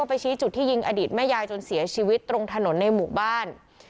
ไปชี้จุดที่ยิงอดีตแม่ยายจนเสียชีวิตตรงถนนในหมู่บ้าน